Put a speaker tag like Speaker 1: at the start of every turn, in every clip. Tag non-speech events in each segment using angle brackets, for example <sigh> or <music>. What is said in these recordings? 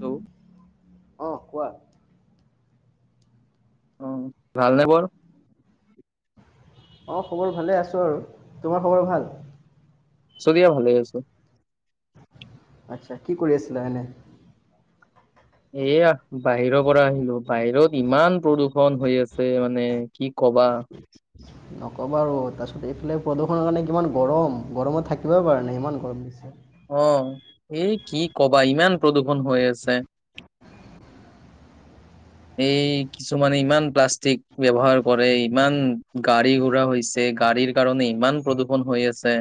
Speaker 1: Hello
Speaker 2: অহ কোৱা
Speaker 1: উ ভালনে বৰ?
Speaker 2: অঁ খবৰ ভালে আছোঁ আৰু তোমাৰ খবৰ ভাল?
Speaker 1: চ দিয়া ভালে আছো।
Speaker 2: আচ্ছা কি কৰি আছিলা এনে?
Speaker 1: এয়া বাহিৰৰ পৰা আহিলো। বাহিৰত ইমান প্ৰদূষণ হৈ আছে মানে। মানে কি কবা আৰু
Speaker 2: নকবা আৰু তাৰপিছত এইফালে প্ৰদূষণৰ কাৰণে কিমান গৰম গৰমত থাকিবই পাৰে নাই ইমান গৰম দিছে।
Speaker 1: আহ এই কি কবা ইমান প্ৰদূৰ্ষন হৈ আছে। এই কিছুমানে ইমান প্লাষ্টিক ব্যৱহাৰ কৰে, ইমান গাড়ী ঘোৰা হৈছে, গাড়ীৰ কাৰণে ইমান প্ৰদূৰ্ষণ হৈ আছে।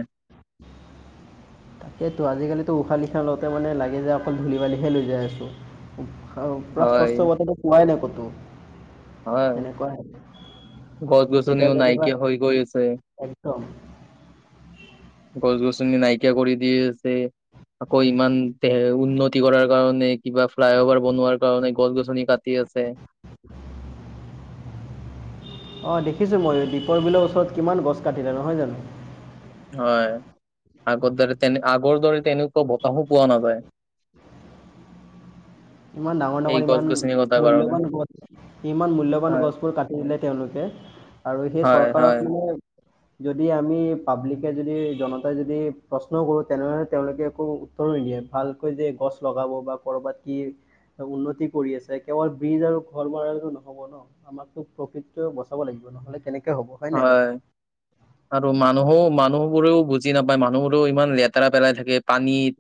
Speaker 2: তাকেইেতো আজিকালিতো উশাহ নিশাহ লওঁতে মানে লাগে যে অকল ধূলি বালিহে লৈ যাই আছোঁ। আৰু পুৰা
Speaker 1: হয়
Speaker 2: স্বচ্ছ বতটো পোৱাই নাই কতো।
Speaker 1: হয়
Speaker 2: সেনেকুৱা
Speaker 1: গছ
Speaker 2: কেতিয়াবা
Speaker 1: গছনিও
Speaker 2: কেতিয়াবা
Speaker 1: নাইকিয়া হৈ গৈ আছে
Speaker 2: একদম
Speaker 1: গছ গছনি নাইকিয়া কৰি দি আছে আকৌ ইমান উন্নতি কৰাৰ কাৰণে কিবা ফ্লাইঅভাৰ বনোৱাৰ কাৰণে গছ গছনি কাটি আছে
Speaker 2: অঁ দেখিছোঁ মই দীপৰ বিলৰ ওচৰত কিমান গছ কাটিলে নহয় জানো
Speaker 1: হয় আগৰ দৰে তেনে আগৰ দৰে তেনেকুৱা বতাহো পোৱা নাযায়
Speaker 2: ইমান ডাঙৰ
Speaker 1: এই
Speaker 2: ডাঙৰ
Speaker 1: গছ
Speaker 2: ইমান
Speaker 1: গছনি কটাৰ কাৰণে
Speaker 2: মূল্যবান গছ ইমান মূল্যবান
Speaker 1: হয়
Speaker 2: গছবোৰ কাটি দিলে তেওঁলোকে আৰু সেই
Speaker 1: হয়
Speaker 2: চৰকাৰক
Speaker 1: হয়
Speaker 2: মানে যদি আমি পাব্লিক কে যদি জনতাই যদি প্ৰশ্ন কৰোঁ তেনেহ'লে তেওঁলোকে একো উত্তৰো নিদিয়ে ভালকৈ যে গছ লগাব বা ক'ৰবাত কি উন্নতি কৰি আছে কেৱল বীজ আৰু ঘৰ বনালে তো নহব ন আমাকতো প্ৰফিট টো বচাব লাগিব নহলে কেনেকে
Speaker 1: হয় আৰু মানুহও মানুহ বোৰেও বুজি জি নাপায় মানুহবোৰো ইমান লেট- তাৰা পেলাই থাকে পানীত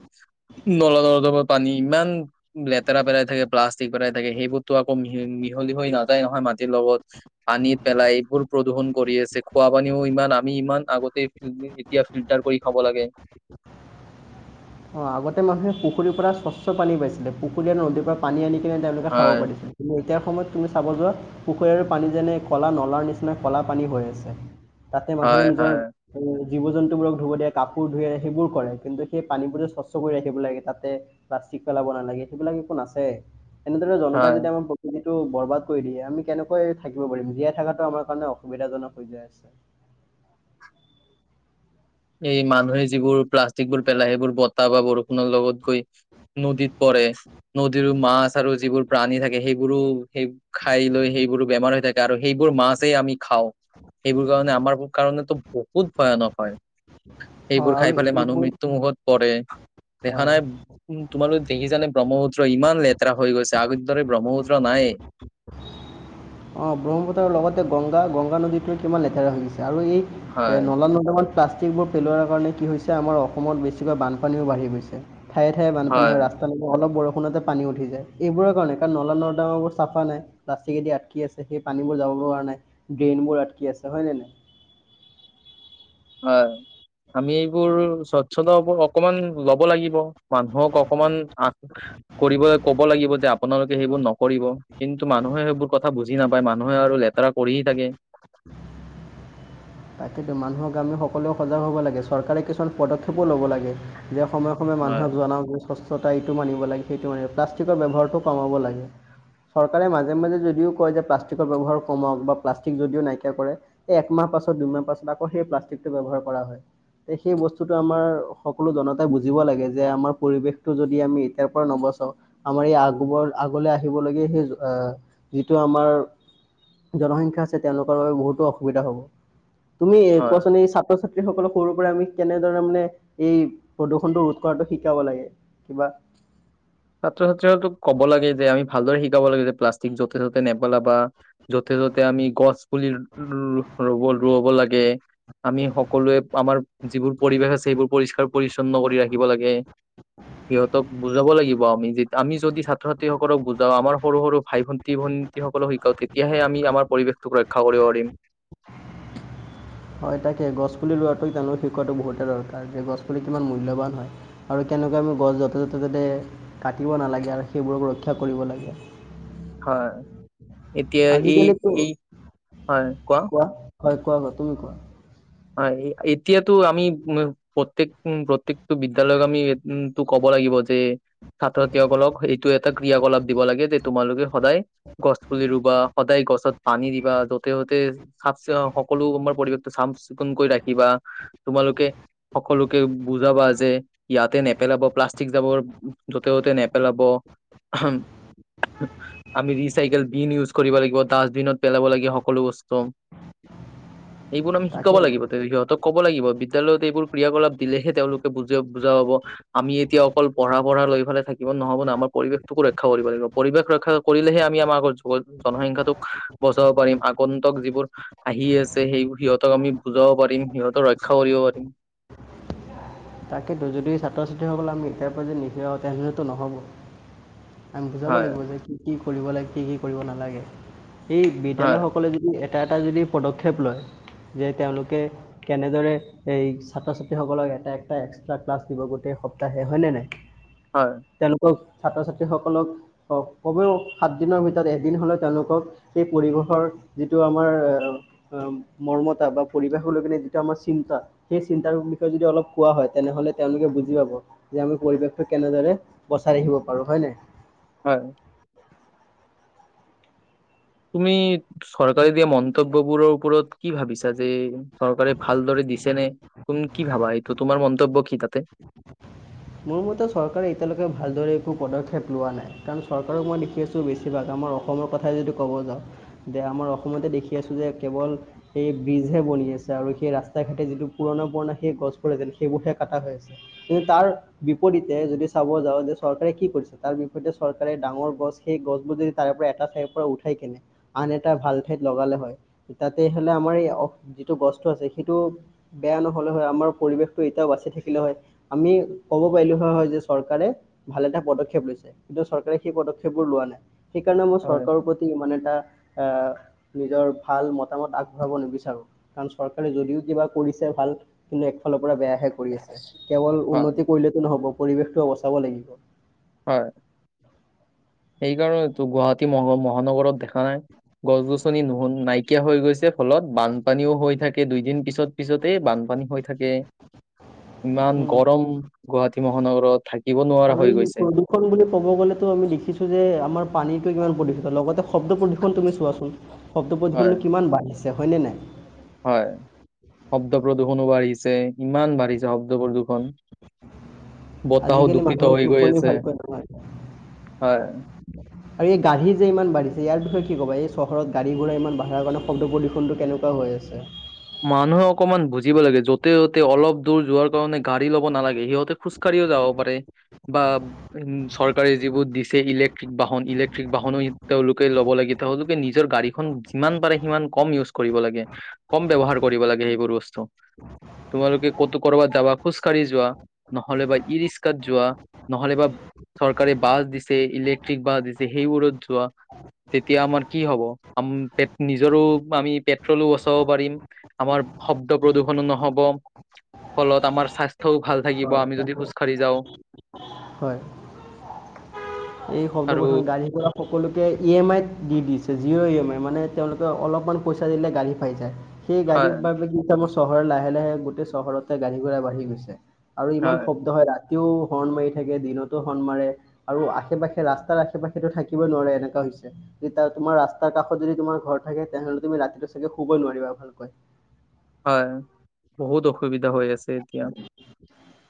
Speaker 1: নলা নৰ্দমা পানী ইমান লেতেৰা পেলাই থাকে প্লাষ্টিক পেলাই থাকে সেইবোৰতো আকৌ মি মিহলি হৈ নাযায় নহয় মাটিৰ লগত পানী পেলাই এইবোৰ প্ৰদূষণ কৰি আছে খোৱা পানীও ইমান আমি ইমান আগতে এতিয়া ফিল্টাৰ কৰি খাব লাগে।
Speaker 2: অ আগতে মানুহে পুখুৰীৰ পৰা স্বচ্ছ পানী পাইছিলে পুখুৰী আৰু নদীৰ পৰা পানী আনি তেওঁলোকে খাব
Speaker 1: হয়
Speaker 2: পাৰিছিলে কিন্তু এতিয়াৰ সময়ত তুমি- চাব যোৱা পুখুৰীৰ পানী যেনে কলা নলাৰ নিচিনা কলা পানী হৈ আছে। তাতে মানুহে
Speaker 1: হয়
Speaker 2: নিজৰ
Speaker 1: হয়
Speaker 2: জীৱ জন্তুবোৰক ধুব দিয়ে কাপোৰ ধুই দিয়ে সেইবোৰ কৰে কিন্তু সেই পানীবোৰ স্বচ্ছ কৰি ৰাখিব লাগে তাতে প্লাষ্টিক পেলাব নালাগে সেইবিলাক একো নাছে এনেধৰণে জনতা
Speaker 1: হয়
Speaker 2: যদি আমাৰ প্ৰকৃতি টো বৰবাদ কৰি দিয়ে আমি কেনেকৈ থাকিব পাৰিম জীয়াই থকাটো আমাৰ কাৰণে অসুবিধাজনক হৈ যায়
Speaker 1: এই মানুহে যিবোৰ প্লাষ্টিক বোৰ পেলায় সেইবোৰ বতাহ বা বৰষুণৰ লগত গৈ নদীত পৰে নদীৰো মাছ আৰু যিবোৰ প্ৰাণী থাকে, সেইবোৰো সেই খাই লৈ সেইবোৰো বেমাৰ হৈ থাকে। আৰু সেইবোৰ মাছেই আমি খাওঁ। সেইবোৰ কাৰণে আমাৰ কাৰণেতো বহুত ভয়ানক হয়।
Speaker 2: অঁ
Speaker 1: সেইবোৰ
Speaker 2: আৰু
Speaker 1: খাই পালে মানুহ
Speaker 2: এইবোৰ
Speaker 1: মৃত্যু মুখত পৰে দেখা
Speaker 2: হয়
Speaker 1: নাই তোমালোক দেখি জানে ব্ৰহ্মপুত্ৰ তো ইমান লেতেৰা হৈ গৈছে আগৰ দৰে ব্ৰহ্মপুত্ৰ নাই?
Speaker 2: অঁ ব্ৰহ্মপুত্ৰৰ লগতে গংগা গংগা নদীটোৱে কিমান লেতেৰা হৈছে। আৰু এই এ
Speaker 1: হয়
Speaker 2: নলা নৰ্দমাৰ প্লাষ্টিকবোৰ পেলোৱাৰ কাৰণে কি হৈছে আমাৰ অসমত বেছিকৈ বানপানীও বাঢ়ি গৈছে। ঠায়ে ঠায়ে বান হয় ৰাস্তা অল বৰষুণ সোনণতে পানী উঠি যায়, এইবোৰৰ কাৰণে কাৰণ নলা নৰ্দমাবোৰ চাফা নাই? লাচ কেদি আটকি আছে। সেই পানীবোৰ যাব পৰা নাই ড্ৰেইনবোৰ আটকি আছে হয় নে নাই?
Speaker 1: হয় আমি এইবোৰ স্বচ্ছতাৰ অকমান ল'ব লাগিব। মানুহক অকমান আশ কৰিব ক'ব লাগিব যে আপোনালোকে সেইবোৰ নকৰিব কিন্তু মানুহে সেইবোৰ কথা বুজি নাপায়, মানুহে আৰু লেতেৰা কৰিয়ে থাকে।
Speaker 2: তাকেতো মানুহৰ গামি সকলোৱেও সজাগ হ'ব লাগে চৰকাৰে কিছুমান পদক্ষেপো ল'ব লাগে। যে সময় সময়ে
Speaker 1: হয়
Speaker 2: মানুহে জনাওঁক যে চচ্ছ টো মানিব লাগে সেইটো মান প্লাষ্টিকৰ ব্যৱহাৰটো কমাব লাগে। চৰকাৰে মাজে মাজে যদিও কয় যে প্লাষ্টিকৰ ব্যৱহাৰ কমাওক বা প্লাষ্টিক যদিও নাইকিয়া কৰে এই একমাহ পাছত দুদিন পাছত আকৌ সেই প্লাষ্টিকটো ব্যৱহাৰ কৰা হয়। তে সেই বস্তুটো আমাৰ সকলো জনতাই বুজিব লাগে যে আমাৰ পৰিৱেশটো যদি আমি এতিয়াৰ পৰা নবচাও আমাৰ এই আগব আগলৈ আহিবলগীয়া সেই আহ যিটো আমাৰ জনসংখ্যা আছে তেওঁলোকৰ বাবে বহুতো অসুবিধা হ'ব। তুমি
Speaker 1: হয়
Speaker 2: কোৱাচোন ন এ ছাত্ৰ ছাত্ৰী যিসকলক সৰুৰ পৰা আমি কেনেদৰে মানে এই প্ৰদূষণটো ৰোধ কৰাটো শিকাব লাগে কিবা
Speaker 1: ছাত্ৰ ছাত্ৰীহতক ক'ব লাগে যে আমি ভালদৰে শিকাব লাগে। যে প্লাষ্টিক যতে ততে নেপেলাবা যতে য'তে আমি গছ পুলি ৰব ৰুব লাগে আমি সকলোৱে আমাৰ যিবোৰ পৰিৱেশ আছে সেইবোৰ পৰিষ্কাৰ পৰিছন্ন কৰি ৰাখিব লাগে। সিহঁতক বুজাব লাগিব। আমি যদি ছাত্ৰ ছাত্ৰীসকলক বুজাও আমাৰ সৰু সৰু ভাই ভন্টি ভন্টীসকলক শিকাওঁ তেতিয়াহে আমি আমাৰ পৰিৱেশটোক ৰক্ষা কৰিব পাৰিম।
Speaker 2: হয় তাকে গছপুলি ৰোৱাটো তেওঁলোক শিকোৱাটো বহুতে দৰকাৰ যে গছপুলি কিমান মু
Speaker 1: হয়। এতিয়া এই
Speaker 2: আজিকালিতো
Speaker 1: এই হয় কোৱা
Speaker 2: হয় কোৱা ক তুমি কোৱা
Speaker 1: হয় এতিয়াতো আমি উ প্ৰত্যেক প্ৰত্যেকটো বিদ্যয়ালয়ক আমিটো ক'ব লাগিব যে চাফ চিকুন কৈ ৰাখিবা তোমালোকে সকলোকে বুজাবা যে ইয়াতে নেপেলাব প্লাষ্টিক জাবৰ যতে ততে নেপেলাবা আমি ৰিচাইক্লিং বি নিউজ কৰিব লাগিব দাচবিনত পেলাৱ লাগে সকলো বস্তু
Speaker 2: তাকে
Speaker 1: ক'ব লাগিব তে সিহতক ক'ব লাগিব বিদ্যালয়ত এইবোৰ ক্ৰিয়া কলাপ দিলেহে তেওঁলোকে বুজ বুজা পাব। আমি এতিয়া অকল পঢ়া পঢ়া লৈ ফালে থাকিব নহ'ব ন আমাৰ পৰিৱেশটোকো ৰক্ষা কৰিব লাগিব পৰিৱেশ ৰক্ষা কৰিলেহে আমি আমাৰ জনসংখ্যাটোক বচাব পাৰিম আগন্তক যিবোৰ আহি আছে সিহঁত সিহঁতক আমি বুজাব পাৰিম সিহঁতক ৰক্ষা কৰিব পাৰিম।
Speaker 2: তাকেতো যদি ছাত্ৰ ছাত্ৰীসকললে আমি ইয়াৰ পৰা যদি নিদিয়াওঁ তেনেহ'লেতো নহ'ব। আমি বুজাব
Speaker 1: হয়
Speaker 2: লাগিব যে কি কি কৰিবলৈ কি কি কৰিব নালাগে। এই
Speaker 1: হয়
Speaker 2: বিদ্যালয়সকলে যদি এটা এটা যদি পদক্ষেপ লয় যে তেওঁলোকে কেনেদৰে এই ছাত্ৰ ছাত্ৰীসকলক এটা এটা এক্সট্ৰা ক্লাছ দিব গোটেই সপ্তাহে হয় নে নাই
Speaker 1: হয়
Speaker 2: তেওঁলোকক ছাত্ৰ ছাত্ৰীসকলক কমেও সাতদিনৰ ভিতৰত এদিন হ'লে তেওঁলোকক সেই পৰিৱেশৰ যিটো আমাৰ মৰ্মতা বা পৰিৱেশলৈকনে যিটো আমাৰ চিন্তা সেই চিন্তাৰ বিষয়ে যদি অলপ কোৱা হয় তেনেহলে তেওঁলোকে বুজি পাব যে আমি পৰিৱেশটো কেনেদৰে বচাই ৰাখিব পাৰো হয় ন
Speaker 1: হয় তুমি চৰকাৰে দিয়া মন্তব্যবোৰৰ ওপৰত কি ভাবিছা যে চৰকাৰে ভালদৰে দিছে নে তুমি কি ভাবা এইটো তোমাৰ মন্তব্য কি তাতে
Speaker 2: মোৰ মতে চৰকাৰে এতিয়ালৈকে ভালদৰে একো পদক্ষেপ লোৱা নাই কাৰণ চৰকাৰক মই দেখি আছো বেছিভাগ আমাৰ অসমৰ কথাই যদি ক'ব যাওঁ যে আমাৰ অসমতে দেখি আছো যে কেৱল এইেই ব্ৰিজহে বনি আছে আৰু সেই ৰাস্তা ঘাটে যিটো পুৰণা পুৰণা সেই গছবোৰ যেন সেইবোৰহে কাটা হৈ আছে কিন্তু তাৰ বিপৰীতে যদি চাব যাওঁ যে চৰকাৰে কি কৰিছে তাৰ বিপৰীতে চৰকাৰে ডাঙৰ গছ সেই গছবোৰ যদি তাৰে পৰা এটা ঠাইৰ পৰা উঠাই কেনে আন এটা ভাল ঠাইত লগালে হয় তাতে হলে আমাৰ এই যিটো গছটো আছে সেইটো বেয়া নহলে হয় আমাৰ পৰিৱেশটো এতিয়াও বাচি থাকিলে হয় আমি ক'ব পাৰিলো হয় হয় যে চৰকাৰে ভাল এটা পদক্ষেপ লৈছে কিন্তু চৰকাৰে সেই পদক্ষেপবোৰ লোৱা নাই সেইকাৰণে মই
Speaker 1: হয়
Speaker 2: চৰকাৰৰ প্ৰতি মানে এটা আহ নিজৰ ভাল মতামত আগবঢ়াব নিবিচাৰো কাৰণ চৰকাৰে যদিও কিবা কৰিছে ভাল কিন্তু একফালৰ পৰা বেয়াহে কৰি আছে কেৱল
Speaker 1: হয়
Speaker 2: উন্নতি সটো নহ'ব পৰিৱেশটো বচাব লাগিব
Speaker 1: হয় সেইকাৰণটো গুৱাহাটী মহ মহানগৰত দেখা নাই গছ গছনি নুু নাইকিয়া হৈ গৈছে ফলত বানপানীও হৈ থাকে দুইদিন পিছত পিছতে বানপানী হৈ থাকে থাকে ইমান
Speaker 2: উম,
Speaker 1: গৰম গুৱাহাটী মহানগৰত থাকিব নোৱাৰা
Speaker 2: আৰু
Speaker 1: হৈ
Speaker 2: এই
Speaker 1: গৈছে
Speaker 2: বুলি প্ৰদূষণ ক'ব গ'লেতো আমি দেখিছো যে আমাৰ পানীটো কিমান প্ৰদূষিত লগতে শব্দ প্ৰদূষণ তুমি চোৱাচোন শব্দ প্ৰদূষণ
Speaker 1: হয়
Speaker 2: কিমান বাইছে হয়নে নাই
Speaker 1: হয় শব্দ প্ৰদূৰষণো বাঢ়িছে ইমান বাঢ়িছে শব্দপদূখন বতাহ
Speaker 2: আজিকালি
Speaker 1: দুষিত
Speaker 2: মানুহৰ
Speaker 1: হৈ
Speaker 2: টোপনি
Speaker 1: গৈছে
Speaker 2: ভালকৈ নহয়
Speaker 1: হ
Speaker 2: আৰু এই গাড়ী যে ইমান বাঢ়িছে ইয়াৰ বিষয়ে কি ক'বা এই চহৰত গাড়ী ঘোড়া ইমান বাঢ়াৰ কাৰণে শব্দ প্ৰদূষণটো কেনেকুৱা হৈ আছে
Speaker 1: মানুহে অকমান বুজিব লাগে য'তে য'তে অলপ দূৰ যোৱাৰ কাৰণে ৰ ্ বাহনো তেওঁলোকে ল'ব লাগে তেওঁলোকে নিজৰ গাড়ীখন যিমান পাৰে সিমান কম ইউজ কৰিব লাগে কম ব্য্য়ৱহাৰ কৰিব লাগে সেইবোৰ বস্তু তোমালোকে ক'তো কৰ'বাত যাবা খোজকাঢ়ি যোৱা নহলেবা ই ৰিক্সাত যোৱা নহলে বাা চৰকাৰে বাছ দিছে ইলেক্ট্ৰিক বাছ দিছে সেইবোৰত যোৱা তেতিয়া আমাৰ কি হ'ব আম নিজৰো আমি পেট্ৰলো বস্ত পাৰিম আমাৰ শব্দ প্ৰদূষনো নহব ফলত আমাৰ স্বাস্থ্যও ভাল থাকিব
Speaker 2: হয়
Speaker 1: আমি যদি
Speaker 2: তাকে।
Speaker 1: খোজ কাঢ়ি যাওঁ
Speaker 2: হয় এই শব্দ
Speaker 1: আৰু
Speaker 2: প্ৰথত গাৰি পৰা সকলোকে ই এম আইত দি দিছে জিৰ' ই এম আই মানে তেওঁলোকে অলপমান পইচা দিলে গাড়ী পাই যায় সেই গাড়ীৰ
Speaker 1: হয়
Speaker 2: বাবে কিস চহৰ লাহে লাহে গোটেই চহৰতে গাড়ী ঘোৰা বাঢ়ি গৈছে আৰু ইমান শব্দ হয় ৰাতি ৰাতিও হৰ্ণ মাৰি থাকে দিনতো হৰ্ণ মাৰে আৰু আশ আশে পাশে ৰাস্তাৰ আশে পাশে থাকিবই নোৱাৰে এনেকুৱা হৈছে তোমাৰ ৰাস্তাৰ কাষত যদি তোমাৰ ঘৰ থাকে তেনেহলে তুমি ৰাতিটো চাগে শুবই নোৱাৰিবা ভালকৈ
Speaker 1: হয় বহু দুখ অসুবিধা হৈ আছে এতিয়া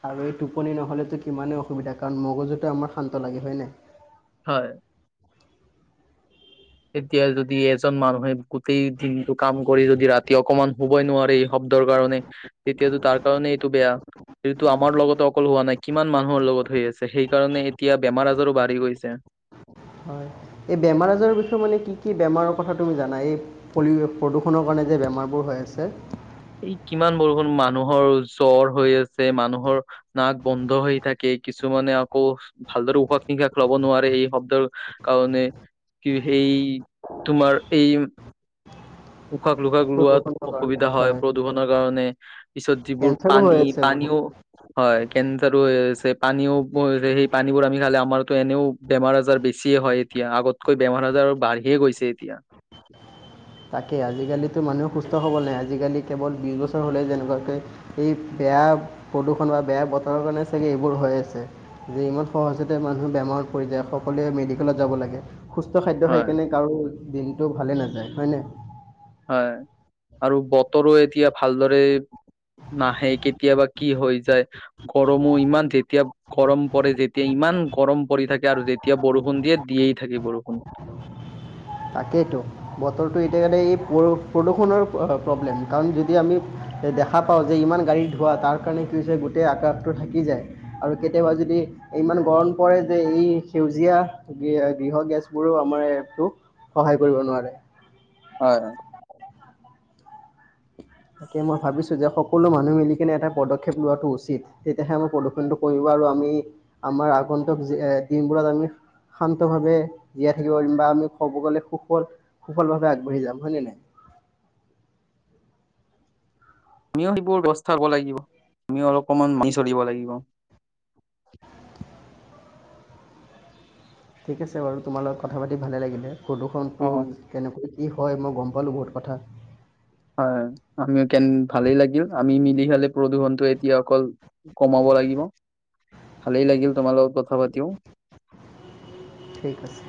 Speaker 2: আৰু এই টোপনি নহ'লেতো কিমানেই অসুবিধা কাৰণ মগজুটো আমাৰ শান্ত লাগে হয়নে।
Speaker 1: হয় এতিয়া যদি এজন মানুহে গোটেই দিনটো কাম কৰি যদি ৰাতি অকমান শুবৈ নোৱাৰে শব্দৰ কাৰণে তেতিয়াতো তাৰ কাৰণে এইটো বেয়া এইটো আমাৰ লগতে অকল হোৱা নাই। কিমান মানুহৰ লগত হৈ আছে সেইকাৰণে এতিয়া বেমাৰ আজাৰো বাঢ়ি গৈছে।
Speaker 2: হয় এই বেমাৰ আজাৰৰ বিষয়ে মানে কি কি বেমাৰৰ কথা তুমি জানা এই পলি প্ৰদূষণৰ কাৰণে যে বেমাৰবোৰ হৈ আছে।
Speaker 1: এই কিমান বৰষুণ মানুহৰ জ্বৰ হৈ আছে মানুহৰ নাক বন্ধ হৈ থাকে কিছুমানে আকৌ ভালদৰে উশাহ নিশাহ লব নোৱাৰে এই শব্দৰ কাৰণে কি সেই তোমাৰ এই উশাক নিশাক লোৱাত
Speaker 2: প্ৰদূষণৰ কাৰণে
Speaker 1: অসুবিধা হয় প্ৰদূষণৰ কাৰণে পিছত যিবোৰ
Speaker 2: কেঞ্চাৰো হৈ
Speaker 1: পানী
Speaker 2: আছে বহুত
Speaker 1: পানীও হয় কেঞ্চাৰো হৈছে পানীও সেই পানীবোৰ আমি খালে আমাৰতো এনেও বেমাৰ আজাৰ বেছিয়ে হয় এতিয়া আগতকৈ বেমাৰ আজাৰ বাঢ়িয়ে গৈছে এতিয়া।
Speaker 2: তাকেই আজিকালিতো মানুহে সুস্থ হ'ব নাই আজিকালি কেৱল বিছ বছৰ হ'লেই যেনেকুৱাকৈ এই বেয়া প্ৰদূষণ বা বেয়া বতৰৰ কাৰণে চাগে এইবোৰ হৈ আছে যে ইমান সহজতে মানুহ বেমাৰত পৰি যায় সকলোৱে মেডিকেলত যাব লাগে। সুস্থ খাদ্য খাই
Speaker 1: হয়
Speaker 2: কেনে কাৰো দিনটো ভালে নাযায়। হয়নে
Speaker 1: হয় আৰু বতৰো এতিয়া ভালদৰে নাহে কেতিয়াবা কি হৈ যায় গৰমো ইমান যেতিয়া গৰম পৰে যেতিয়া ইমান গৰম পৰি থাকে আৰু যেতিয়া বৰষুণ দিয়ে দিয়েই থাকে বৰষুণ।
Speaker 2: তাকেইেতো বতৰটো এতিয়া কাৰণে এই প্ৰদূষণৰ প্ৰব্লেম কাৰণ যদি আমি দেখা পাওঁ যে ইমান গাড়ী ধোৱা তাৰ কাৰণে কি হৈছে গোটেই আকাশটো থাকি যায় আৰু কেতিয়াবা যদি ইমান গৰম পৰে যে এই সেউজীয়া গৃহ গেছবোৰো আমাৰ সহায় কৰিব নোৱাৰে।
Speaker 1: হয় হয়
Speaker 2: তাকে মই ভাবিছো যে সকলো মানুহ মিলি কিনে এটা পদক্ষেপ লোৱাটো উচিত তেতিয়াহে আমাৰ প্ৰদূ্ষনটো কৰিব আৰু আমি আমাৰ আগন্তুক দিনবোৰত আমি শান্তভাৱে জীয়াই থাকিব পাৰিম বা আমি ক'ব গলে সুফত কুফল ভাৱে আগবাঢ়ি যাম হয় ন নাই
Speaker 1: আমিও সেইবোৰ ব্যৱস্থাবোৰ লাগিব আমিও অলপমান মানি চলিব লাগিব।
Speaker 2: <inaudible> ঠিক আছে বাৰু তোমাৰ লগত কথা পাতি ভালে লাগিলে।
Speaker 1: অ
Speaker 2: প্ৰদূষণটো কেনেকৈ কি হয় মই গম পা পালো বহুত কথা
Speaker 1: হয় আমিও কেন ভালেই লাগিল আমি মিলি খালে প্ৰদূষণটো এতিয়া অকল কমাব লাগিব ভালেই লাগিল তোমাৰ লগত কথা পাতিও
Speaker 2: ঠিক আছে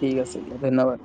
Speaker 1: ঠিক আছে দিয়া ধন্যবাদ।